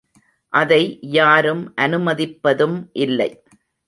அதை யாரும் அனுமதிப்பதும் இல்லை.